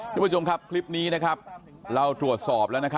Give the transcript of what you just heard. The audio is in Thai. ทุกผู้ชมครับคลิปนี้นะครับเราตรวจสอบแล้ว